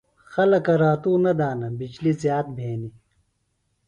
خلکہ راتُوۡ نہ دانہ۔ بجلیۡ زِیات بھینیۡ۔